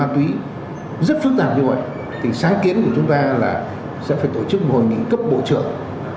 tháng kiến của chúng ta là sẽ phải tổ chức một hội nghị cấp bộ trưởng